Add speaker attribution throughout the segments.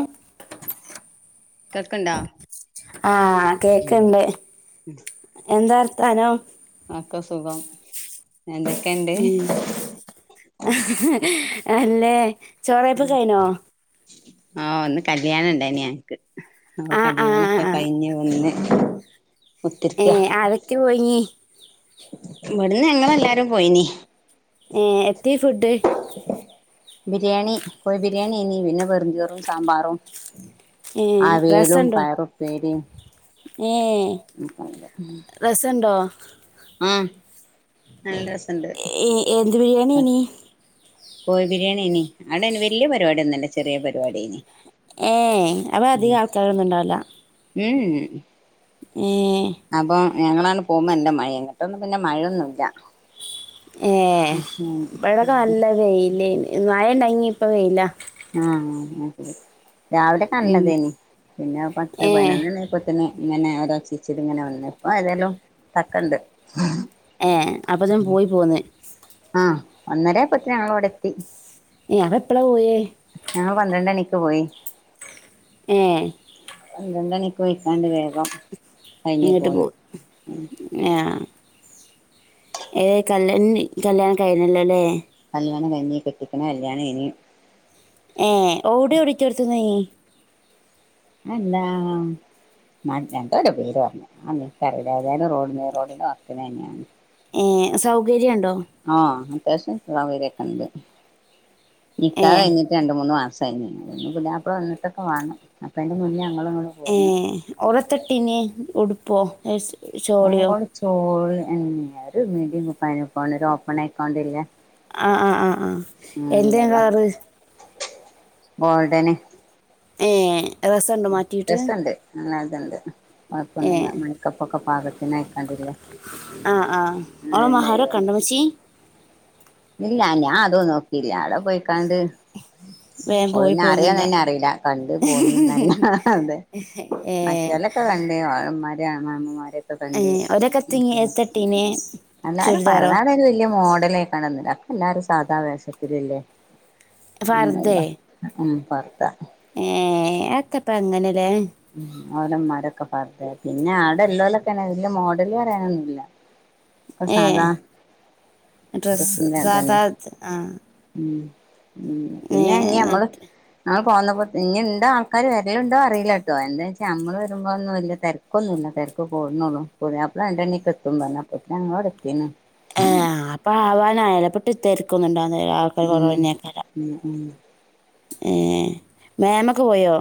Speaker 1: ആഹ്
Speaker 2: കേൾക്ക്ണ്ടോ
Speaker 1: ആഹ്
Speaker 2: ഉം
Speaker 1: കേക്ക്ണ്ട് എന്താ വർ തനം
Speaker 2: അക്കെ സുഖം എന്തൊക്കെണ്ട്
Speaker 1: ഉം അല്ലേ ചോറയ്പ്പൊക്കെ കഴിഞ്ഞോ
Speaker 2: ആഹ് ഒന്ന് കല്യാണം ഇണ്ടായിനി ഞങ്ങക്ക് അപ്പ
Speaker 1: ആഹ് ആഹ്
Speaker 2: കല്യാണൊക്കെ കഴിഞ്ഞു വന്ന്
Speaker 1: ഏ
Speaker 2: കുത്തിരിക്ക
Speaker 1: ആരൊക്കെ പോയിനു
Speaker 2: ഇവിടുന്ന് ഞങ്ങൾ എല്ലാരും പോയിനു
Speaker 1: ഏഹ് എത്തി ഫുഡ്
Speaker 2: ബിരിയാണി പോയി ബിരിയാണി പിന്നെ വെറുംചോറും സാമ്പാറും
Speaker 1: ഏഹ്
Speaker 2: ആ വേലും പയറുപ്പേരയും
Speaker 1: ഏ രസോണ്ടോ
Speaker 2: ആ
Speaker 1: ഏ എന്ത് ബിരിയാണിഞീ
Speaker 2: പോയി ബിരിയാണിഞീ അവിടന് വലിയ പരിപാടിയോന്നുല്ല ചെറിയ പരിപാടീഞീ
Speaker 1: ഏ അവ അധികം ആൾക്കാരൊന്നും ഉണ്ടാവില്ല
Speaker 2: ഉം
Speaker 1: ഏ
Speaker 2: ഞങ്ങളാണ് പോകുമ്പോ നല്ല മഴയുംങ്ങിട്ടൊന്നും പിന്നെ മഴയൊന്നുംല്ല
Speaker 1: ഏ ഇവടക്കെ നല്ല വെയിലിന് മഴണ്ടങ്ങി ഇപ്പ വെയില
Speaker 2: ആ രാവിലെ
Speaker 1: ഉം
Speaker 2: കാലതേനി പിന്നെ പത്ത്
Speaker 1: ഏഹ്
Speaker 2: പതിനൊന്ന് മണിയായപ്പത്തെന് ഇങ്ങനെ ഓരോ ചീച്ചിടി ഇങ്ങനെ വന്ന ഇപ്പോൾ ഏതായാലും തക്കണ്ട്
Speaker 1: ഏ അപ്പൊ [unintelligible] പോയി പോന്ന്
Speaker 2: ആ ഒന്നരപ്പത്തേന് ഞങ്ങളിവിടെ എത്തി
Speaker 1: ഏ അതേപ്പള പോയേ
Speaker 2: ഞങ്ങള് പന്ത്രണ്ടണിക്ക് പോയി
Speaker 1: ഏ
Speaker 2: പന്ത്രണ്ട് മണിക്ക് പൊയ്ക്കാണ്ട് വേഗം കഴിഞ്ഞ്
Speaker 1: ഇങ്ങിട്ട്
Speaker 2: പോന്ന്
Speaker 1: പോവും ആ ഏ കല് കല്യാണം കഴിഞ്ഞല്ലല്ലേ
Speaker 2: കല്യാണം കൈഞ്ഞീ കെട്ടിക്കണ കല്യാണം ഇനി
Speaker 1: ഏ ഓടി ഓടിതീർത്തിന്ന് ഇനി
Speaker 2: അല്ലാ മറ്റാണ്ടോര് പേര് പറഞ്ഞു ആ എനിക്കറിയില്ല ഏതായാലും റോഡിന് റോഡിന്റെ വക്കന് തന്നെയാണ്
Speaker 1: ഏ സൗകര്യം ഒണ്ടോ
Speaker 2: ആ അത്യാവശ്യം സൗകര്യേക്കെ ഒണ്ട്
Speaker 1: ഏ
Speaker 2: നിക്കാഹ് കയിഞ്ഞിട്ട് രണ്ട് മൂന്ന് മാസ് [unintelligible] വന്നിട്ടൊക്കെ വേണം അപ്പ അയിന്റെ മുന്നേ ഞങ്ങള് അങ്ങട്
Speaker 1: ഏ
Speaker 2: പോന്ന്
Speaker 1: ഒളത്തട്ടീന് ഉടു ഇപ്പോ നെസ്
Speaker 2: ഓടെ [unintelligible] [unintelligible]
Speaker 1: ആ ആ ആ ആ എന്തേം
Speaker 2: [inaudible]
Speaker 1: കളറ്
Speaker 2: ഗോൾഡന്
Speaker 1: ഏ രസണ്ടോ മാറ്റിയിട്ട്
Speaker 2: ണ്ട്
Speaker 1: ഏ ആ ആ ഓളെ മഹാരൊക്കെ
Speaker 2: [inaudible]
Speaker 1: ഉണ്ടോ മച്ചി
Speaker 2: ഇല്ല ഞാൻ അതോ നോക്കിയില്ല അവിട പോയിക്കാണ്ട്
Speaker 1: വേഗം പോയി പോകുന്നുണ്ടോ ഏ ഏ ഒരക്കത്തിങ് എത്തട്ടീന് ചുരിദാറോ
Speaker 2: [unintelligible] [inaudible] [unintelligible] എല്ലാരും സാധാ വേഷത്തിലില്ലേ
Speaker 1: ഫർദേ
Speaker 2: [inaudible] വർതെ
Speaker 1: ഏ അതപ്പ അങ്ങനെ [inaudible]
Speaker 2: മഓലന്മാരൊക്കെ പറുത പിന്നെ ആവിടെല്ലോലൊക്കെ വലിയ മോഡല് പറയാനൊന്നുമില്ല
Speaker 1: ഏ ഡ്രസ്സ്
Speaker 2: ഡ്രസ്സിന്റെ ഇതന്നെ
Speaker 1: സാധാ ആ
Speaker 2: ഉം ഉം
Speaker 1: ഏ
Speaker 2: പിന്നെ ഇനി നമ്മള്
Speaker 1: എന്നിട്ട്
Speaker 2: ന പോകന്നപ്പോ ഇന്നുണ്ടോ ആൾക്കാര് വേരാലുണ്ടോ അറിയില്ല എന്താ വെച്ചാൽ നമ്മള് വരുമ്പോൾന്നും വലിയ തിരക്കൊന്നുല്ല തിരക്ക് കൂടുന്നോള് പുതിയാപ്പള എറെ എണക്ക് എത്തും പറഞ്ഞ് അപ്പ ഞങ്ങവിടെ എത്തിന്ന്
Speaker 1: [inaudible] ക്കുന്നുണ്ടോ
Speaker 2: ഉം ഉം ഉം
Speaker 1: [unintelligible] ഏ മേമ്മക്കെ പോയോ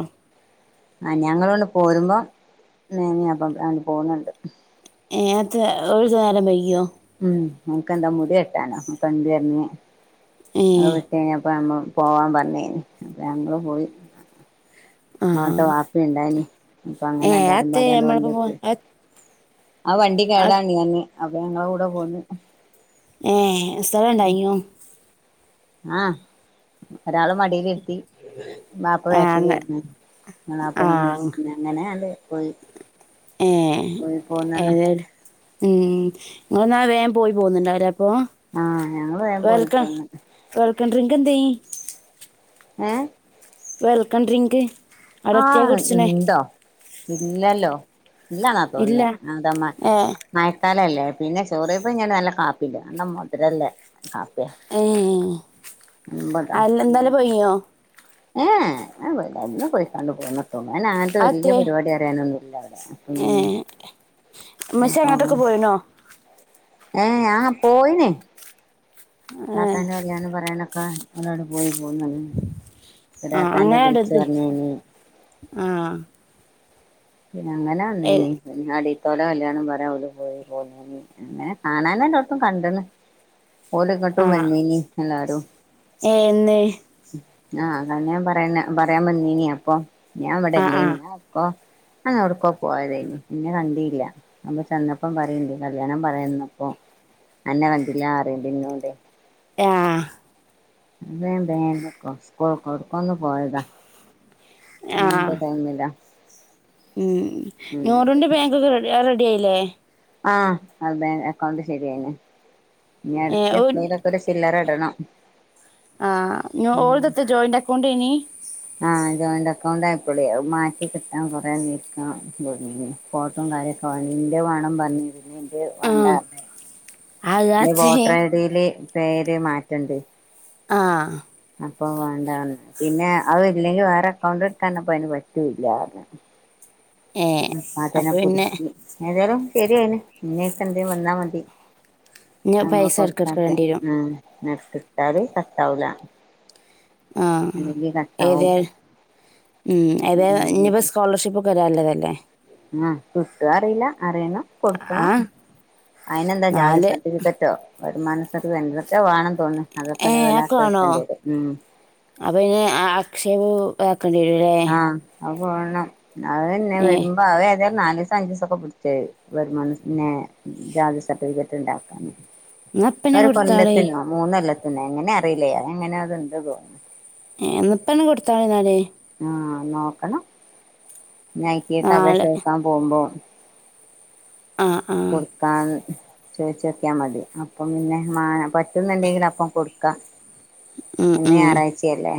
Speaker 2: ആ ഞങ്ങളോണ്ട് പോരുമ്പോ മേമ്മ പോകുന്ന കണ്ട്
Speaker 1: [unintelligible]
Speaker 2: ഓ ക്ക് മുടി വെട്ടാനോ
Speaker 1: ഏ
Speaker 2: [unintelligible] പോവാൻ പറഞ്ഞേന് ഞങ്ങള്‌ പോയി
Speaker 1: ആ
Speaker 2: ബാപ്പ യുണ്ടായിരുന്നു
Speaker 1: ഏ അത്തെ നമ്മളിപ്പം പോ
Speaker 2: [unintelligible] ആ വണ്ടി കേടാണ് പറഞ്ഞു അപ്പൊ ഞങ്ങള കൂടെ പോന്ന്
Speaker 1: ഏ സ്ഥലം ഇണ്ടായിനോ
Speaker 2: ആഹ ഒരാള് മടിയിൽ ഇരുത്തി വാപ്പ
Speaker 1: ആ
Speaker 2: ബാക്കിൽ
Speaker 1: അങ്ങ
Speaker 2: ഇരുന്നു ഞങ്ങൾ അപ്പോ
Speaker 1: ആ
Speaker 2: മുന്ന അങ്ങനെയത് പോയി
Speaker 1: ഏ
Speaker 2: പോയി പോന്നാണ്
Speaker 1: ഏത് ഉം ഇങ്ങൾ എന്നാ വേഗം പോയി പോകുന്നുണ്ട
Speaker 2: ആഹ ഞങ്ങള് വേഗം പോയി പോന്നു
Speaker 1: [unintelligible]
Speaker 2: ഏ
Speaker 1: വെൽക്കം ഡ്രിങ്ക് അവിടെ എത്തിയാ
Speaker 2: ആഹ
Speaker 1: കുടിച്ചണേ
Speaker 2: ഉണ്ടോ ഇല്ലല്ലോ ഇല്ലെന്നാ
Speaker 1: ഇല്ല
Speaker 2: തോന്നുന്നത് അത്
Speaker 1: ഏ
Speaker 2: മഴക്കാലം അല്ലേ പിന്നെ ചോറിയപ്പ ഞാൻ നല്ല കാപ്പില്ലേ നല്ല മധുരല്ലേ കാപ്പിയാ
Speaker 1: ഏ അല്ല എന്താലും പോയോ
Speaker 2: ഏ ഞാൻ പോയില്ല അണ്ണൻ പോയി കണ്ടു പോന്നു ഞാൻ അങ്ങനത്തെ വലിയ
Speaker 1: അതെ
Speaker 2: പരിപാടി അറിയാനെന്നു [unintelligible]
Speaker 1: ഏ പക്ഷെ അങ്ങോട്ടൊക്കെ പോയിരു ന്നോ
Speaker 2: ഏ ഞാൻ പോയിന് ആ
Speaker 1: ഏ
Speaker 2: തന്നെ അറിയാന്ന് പറയാണം ക്കാ എന്നോട് പോയി പൊന്നുണ്ടേ
Speaker 1: ആഹ അങ്ങനെ എടുത്ത് ആഹ
Speaker 2: പിന്നെ അങ്ങനെ അന്ന പിന്നാ ഒള്ടെ കല്യാണം പറയാൻ പോയി അങ്ങനെ കാണൻ അല്ല ഒട്ടും കണ്ടെന്ന്
Speaker 1: ആ
Speaker 2: ഓളിങ്ങോട്ടും വന്നനി എല്ലാരും
Speaker 1: എന്ന്
Speaker 2: ആഹ് അത ഞാൻ പറയ പറയാൻ വന്നീനി അപ്പൊ ഞാൻ
Speaker 1: ആ
Speaker 2: ഇവിടെല്ലേ
Speaker 1: ആ
Speaker 2: ഞാപ്പോ അവടൊക്കെ പോയതാനീ എന്നെ കണ്ടീല്ല അപ്പ ചെന്നപ്പോം പറയണ്ട് കല്യാണം പറയന്നപ്പോ അന്നെ കണ്ടില്ല
Speaker 1: ആ
Speaker 2: [unintelligible] അതെ ബാങ്കൊക്ക സ്കൂൾക്കൊക്കെ ഒന്ന് പോയതാ
Speaker 1: ആ
Speaker 2: അതെന്തേ ടൈമില്ലാ
Speaker 1: ഉം നൂറന്റെ ബാങ്കൊക്കെ റെഡിയാ ഇല്ലേ
Speaker 2: ആഹ് അത് ബാങ്ക് അക്കൗണ്ട് ശരിയായിന നി
Speaker 1: ഏ
Speaker 2: അടുത്ത
Speaker 1: ഓ
Speaker 2: എപ്പൊളെ ലൊക്കെ ഒരു ചില്ലറ രണം
Speaker 1: ആഹ് ഓൾതെത്തെ ജോയിന്റ് അക്കൗണ്ടേനി
Speaker 2: ആഹ ജോയിന്റ് അക്കൗണ്ട് ആയിപ്പോളെ മാറ്റി കിട്ടാൻ കൊറെേ നീക്കൻ ഫോട്ടും കാര്യൊക്കെ വ ഇന്റെ വാണം പറഞ്ഞിരുന്ന
Speaker 1: ആ
Speaker 2: വേണ്ടാർഞ്
Speaker 1: അതാച്ചേ
Speaker 2: വോട്ടർ ഐഡിയില് പേര് മാറ്റണ്ട്
Speaker 1: ആഹ്
Speaker 2: അപ്പൊ വേണ്ട പിന്നെ അത് ഇല്ലെങ്കി വേറെ അക്കൗണ്ട് എടുക്കാനപ്പ അയിന് പറ്റുല്ലാർഞ്ഞ്
Speaker 1: ഏ
Speaker 2: പതന
Speaker 1: അപ്പൊ
Speaker 2: പൊതി
Speaker 1: പിന്നെ
Speaker 2: ഏതായ്ലും ശരിആയിണ് ഇഞ്ഞയക്ക്വന്നാ മതി
Speaker 1: ഞാൻ
Speaker 2: നമ്മൾ
Speaker 1: പൈസ
Speaker 2: കൊടുത്താക്കെ
Speaker 1: ഇടക്കിടക്കിടേണ്ടി വരും
Speaker 2: അ കിട്ടാതിം കട്ടാവൂല
Speaker 1: ആ
Speaker 2: അല്ലെങ്കി കട്ടാവും
Speaker 1: ഏതായാലും മ് ഏതാ ഇന്നിപ്പോ സ്കോളർഷിപ്പ് വരാല്ലതല്ലേ
Speaker 2: ആ കിട്ട്യോ അറിയില്ല അറിയണം
Speaker 1: ആ
Speaker 2: കൊട്ക്കണം അയിനന്താ ജാതി
Speaker 1: നാല്
Speaker 2: സർട്ടിഫിക്കറ്റോ വരുമാനസർട്ടി എന്തൊക്കെ വേണംന്ന് തോന്ന്ണ്. അതൊക്കെ
Speaker 1: ഏ
Speaker 2: ലെവലാക്കി
Speaker 1: വേണോ
Speaker 2: വെക്കണ്ട്യരും മ്
Speaker 1: പക്ഷേ ഒരു ക്കണ്ട്യരും ലേ
Speaker 2: അപ്പോ വാണം അഅന്നെ വരുമ്പോ അഅന്നെ നാലീസം അഞ്ചീസൊക്കെ പിടിച്ചെ വരുമാനസ നെ ജാതി സർട്ടിഫിക്കറ്റ് ഇണ്ടാക്കാന്
Speaker 1: എന്നാൽ ഇപ്പം തന്നെ
Speaker 2: ഒരു
Speaker 1: കൊടുത്താളി
Speaker 2: കൊല്ലത്തിനൊ മൂന്നല്ലൊത്ത് ന്നെ എങ്ങനെ അറീല്ലേ അഎങ്ങനെയ അത്ണ്ട് തോന്ന്
Speaker 1: എന്നപ്പന്നെ കൊടുത്താളന്നാലേ
Speaker 2: ആഹ് നോക്കണം നൈക്കീട്ട് അപേക്ഷ
Speaker 1: നാല്
Speaker 2: വെക്കാൻ പോകുമ്പോ
Speaker 1: ആ ആ
Speaker 2: കൊടുക്കാൻ ചോദിച്ച്നോക്കിയാൽ മതി അപ്പം പിന്നെ മ പ റ്റുന്നുണ്ടെങ്കിൽ അപ്പം കൊട് ക്കാ
Speaker 1: ഉം,
Speaker 2: ഇന്ന്
Speaker 1: ഉം.
Speaker 2: ഞായറാഴ്ചയല്ലേ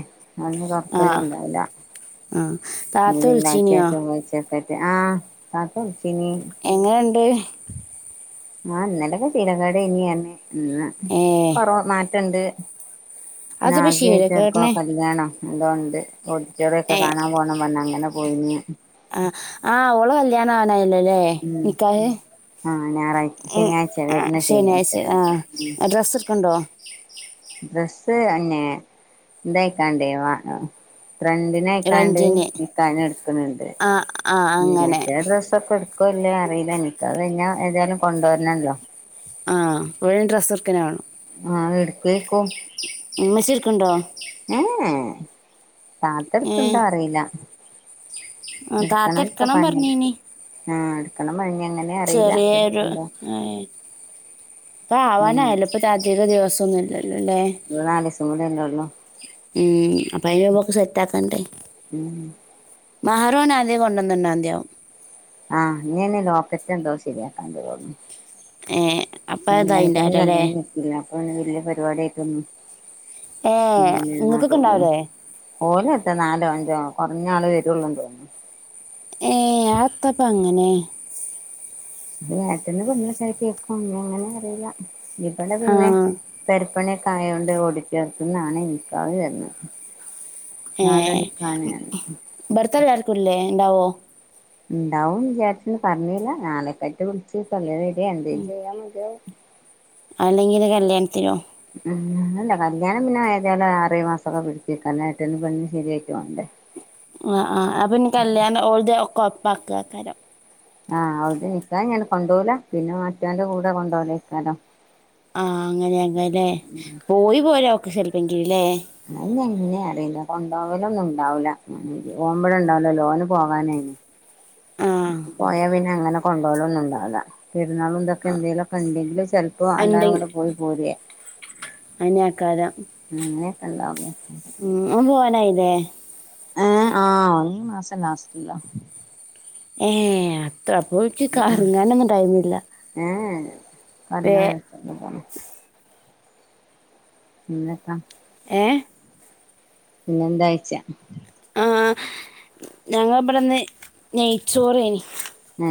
Speaker 2: അന്ന് തൊറക്കലും ഉണ്ടാവുല്ല
Speaker 1: ആഹ്.... താത്ത വിളിചീനിയോ....
Speaker 2: ഇപ്പഴത്തെ..... ആഹ് താത്ത വിളിചി
Speaker 1: എങ്ങനുണ്ട്......
Speaker 2: ആ.... ഇന്നലക്കെ ചീനേക്കാട്നീനു പറഞ്ഞു ഉ.... ന്ന്..
Speaker 1: ഏ
Speaker 2: കൊറവ മാറ്റ രണ്ട്
Speaker 1: അതിപ്പോൾ
Speaker 2: നാസിയാക്ക് എവിടക്കോ
Speaker 1: ശീലക്കേട്ടനെ
Speaker 2: കല്യാണോ എന്തൊണ്ട് ഓഡിറ്റോറിയും ഒക്കെ
Speaker 1: ഏ
Speaker 2: കാണാൻ പോണം ന്നു പറഞ്ഞാണ്ട് എന്നാ പോയിന്ന്
Speaker 1: ആ..... ആഹ് ഓളെ കല്യാണ കല്യാണം ആയല്ലോലെ...
Speaker 2: ഉം
Speaker 1: നിക്കാഹ് ഏഹ്..
Speaker 2: ആഹ് ഞായറാഴ്
Speaker 1: എ..
Speaker 2: ശനിയാഴ്ച വരുന്ന
Speaker 1: ശനിയാഴ്ച ആ ഡ്രസ് എടുക്ക്‌ ണ്ടോ
Speaker 2: അന്നെ ഇതായിക്കണ്ടേ വ ഫ്രണ്ടിനെയിക്കാണ്ട്
Speaker 1: റെന്റിന്
Speaker 2: നിക്കാഹ് നടത്തുന്നുണ്ട്
Speaker 1: ആ ആ
Speaker 2: മ്മ്...
Speaker 1: അങ്ങനെ
Speaker 2: മറ്റേ ഡ്രസ്സൊക്കെടു നിക്കോ ഇല്ലേ അറിയില്ല നിക്കാഹ് കഴിഞ്ഞാ ഏതായാലും കൊണ്ടുവരണല്ലോ...
Speaker 1: ആ... ഇവിടേം ഡ്രസ്സ്‌ എടുക്കലാണ്
Speaker 2: ആഹ്... എടുക്കേക്കും....
Speaker 1: ഉമ്മച്ചി എടുക്കുന്നുണ്ടോ...
Speaker 2: ഏഹ് താത്ത എടുക്ക്‌ണ്ടോറീല്ല...
Speaker 1: ആ താത്ത എടുക്കണം
Speaker 2: പറഞ്ഞ്
Speaker 1: പറഞ്ഞീന്നി....
Speaker 2: ആഹ്.... എടുക്കണം ന്നു പറഞ്ഞ് എങ്ങനെ അറിയില്ല
Speaker 1: ചെറിയൊരു.....
Speaker 2: എടുക്കണ്ടോ
Speaker 1: എ ഇപ്പ
Speaker 2: ഉം
Speaker 1: ആവാനായല്ലോ പ്പോ താഴ്ത്തിതെ... [unintelligible]
Speaker 2: നാലീസം കൂടി അല്ലേ ഒള്ളു
Speaker 1: മ് പഴയ ബോക്സ് സെറ്റ് ആക്കാനിണ്ടേ...
Speaker 2: ഉം
Speaker 1: മഹറ് ഓൻ ആദ്യ കൊണ്ടൊന്നുണ്ടാ ഒന്നാന്തിയാവും
Speaker 2: ആഹ്... ഇനി അതിനു ലോക്കറ്റ് എന്തോ ശരിയാക്കാനുണ്ടെന്ന് തോന്നുന്നു
Speaker 1: ഏ അപ്പൊ
Speaker 2: [unintelligible] ഇപ്പൊ
Speaker 1: അതായിണ്ടാവില്ല അല്ലേ
Speaker 2: അയിന് വെല്ല്യ പരിപാടി ആയിട്ടൊന്നും
Speaker 1: ഏ നിങ്ങക്കൊക്കെ ഉണ്ടാവൂലെ
Speaker 2: ഓല എത്ര നാലോ അഞ്ചോ കുറഞ്ഞ ആള് വരുള്ളണ്ടോന്നു
Speaker 1: ഏ അതെന്താ ഇപ്പൊ അങ്ങനെ
Speaker 2: ഏട്ടന്ന് പറഞ്ഞ കേക്കും അങ്ങനെ അറിയില്ല ഇവിടെ
Speaker 1: ആ
Speaker 2: പിന്നെ [unintelligible] ഇപ്പോങ്ങനെ ഓക്കേ ആയോണ്ട് ഓഡിറ്റൊറിയതിനാണ് നികാഹ് തെരുനെ
Speaker 1: ഹ ബർത്തർ അർ [unintelligible] ഇല്ലേ ഉണ്ടാവോ
Speaker 2: ഉണ്ടാവും വിചാരിച്ചന് പറഞ്ഞില്ല നാളെ ക്കെട്ട് വിളിച്ച്- എന്തെ ചെയ്യാം നമുക്ക്
Speaker 1: അല്ലെങ്കിൽ കല്യാണത്തിനോ
Speaker 2: ആല്ല കല്ലിയാണം പിന്നെ ഏതായാലും ആറേ മാസമൊക്കെ പിടിച്ചിേക്കായിട്ട് പെണ്ണ് ശരിയായിട്ട് വേണ്ട
Speaker 1: ആ ആ അപ്പൊ കല്യാണം ഓന്റെ നടക്കുവോ പാക്കാ കരം [unintelligible]
Speaker 2: ആഹ് അത് നിക്കാഹ്‌ ഞാൻ കൊണ്ടപോകല പിന്നെ മച്ചാന്റെ കൂടെ കൊണ്ടപോല നിക്കാലോ
Speaker 1: ആ അങ്ങനെ അങ്ങനെ പോ [unintelligible] യി പോരാക്കെ ശ എങ്കിലെ
Speaker 2: അത് എങ്ങനെയാ അറീല്ല പകലൊന്നും ഉണ്ടാവില്ല പോകുമ്പോഴ ഇണ്ടാവലോ ലോന് പോകാനായിന്
Speaker 1: ആഹ്
Speaker 2: പോയാ പിന്ന അങ്ങനെ കൊണ്ടുപോലൊന്നുംണ്ടാവില്ല പെരുന്നാളും ഇതൊക്കെ എന്തെങ്ക്ലുമൊക്കെ ഉണ്ടെങ്കില് ചെലപ്പോൾ എല്ലരും
Speaker 1: എന്തെ
Speaker 2: ഇങ്ങടെ പോയി പോര
Speaker 1: അയിനാക്കാരം
Speaker 2: ഉം [unintelligible] ക്കണ്ടാവ
Speaker 1: നയ്നെ
Speaker 2: ഏ ആഹ് ഈ മാസം ലാസ്റ്റ്ല്ലോ
Speaker 1: ഏ അപ്പോഴേക്ക് കറങ്ങാനൊന്നും ടൈമില്ല വേ
Speaker 2: കണ്ണു വേതനാണ് പിന്നെന്താ
Speaker 1: ഏ
Speaker 2: പിന്നെന്താഴ്ച്ച
Speaker 1: ആ ഞങ്ങളവിടെന്ന് നെയ്ച്ചോറേ
Speaker 2: ആ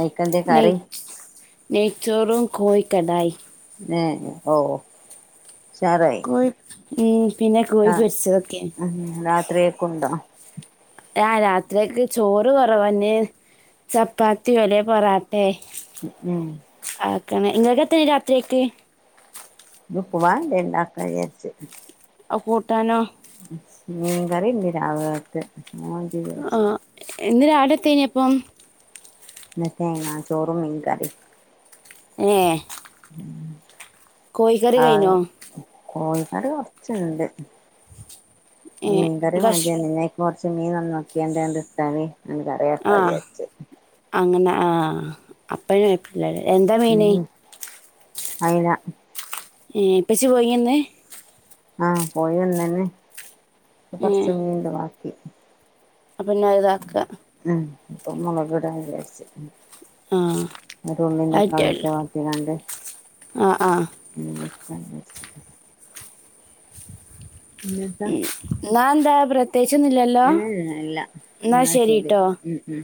Speaker 2: ആയികെന്താ
Speaker 1: നെയ്
Speaker 2: കറി
Speaker 1: നെയ്ച്ചോറും കോഴി കടായി
Speaker 2: ഏ ഓ ഉഷാറായി
Speaker 1: കോഴിയും പിന്നെ കോഴി പൊരിച്ചതൊക്കേ
Speaker 2: ത്രേക്കുണ്ടോ
Speaker 1: ആ രാത്രിക്ക് ചോറ് കുറവന്നെ ചപ്പാത്തി അല്ലെ പൊറാട്ടെ
Speaker 2: ഉ ഉം
Speaker 1: ആക്കണ് നിങ്ങൾക്കെത്ത രാത്രിക്ക്
Speaker 2: ഉപ്പുമാവുണ്ട് ഉണ്ടാക്കാന്ന് വിചാരിച്ച്
Speaker 1: ആ കൂട്ടാനോ
Speaker 2: മീൻകറിണ്ട് രാവിലത്തെ അത് വിചാരിച്ച്
Speaker 1: ആഹ് എന്ന് രാവിലത്തേനി അപ്പം
Speaker 2: ഇന്ന് തേങ്ങാ ചോറും മീൻ കറിയും
Speaker 1: ഏഹ് കോഴിക്കറി
Speaker 2: ആ
Speaker 1: കൈഞ്ഞോ
Speaker 2: കോഴിക്കറി കൊറച്ചുണ്ട്
Speaker 1: ഏ
Speaker 2: മീങ്കറി
Speaker 1: കഷ്
Speaker 2: വേണ്ടിവന്നു ഇന്നേക്കു മീ നന്നാക്കിയാണ്ടണ്ട് ട്ടാല് ഇന്ന്
Speaker 1: ആ
Speaker 2: കറിവെക്കാ വിചാരിച്ചു
Speaker 1: അങ്ങനെ ആ അപ്പഴും എപ്പഴ എന്താ മീന്
Speaker 2: ഉം അയില
Speaker 1: ഏ ഏപ്പച്ചി പോയിന്ന്
Speaker 2: ആഹ് പോയി വന്നെന്ന് [unintelligible] [unintelligible]
Speaker 1: അ പിന്നെ ഇതാക്ക
Speaker 2: അപ്പൊ നമ്മളവിടെ വിചാരിച്ചു
Speaker 1: ആഹ് ആയിറ്റല്ല
Speaker 2: ഇട്ട് വാട്ടിങ്ങാണ്ട്
Speaker 1: ആഹ് ആഹ്
Speaker 2: [unintelligible]
Speaker 1: ഉം എന്താ പ്രത്യേക
Speaker 2: ഉം എല്ല
Speaker 1: എന്നാ
Speaker 2: ന്ന ശരി
Speaker 1: ശരിട്ടോ
Speaker 2: ഉം ഉം